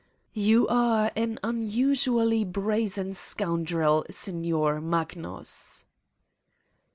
"You are an unusually brazen scoundrel, Sig nor Magnus!"